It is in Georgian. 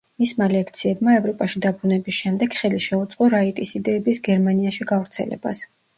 მისმა ლექციებმა, ევროპაში დაბრუნების შემდეგ, ხელი შეუწყო რაიტის იდეების გერმანიაში გავრცელებას.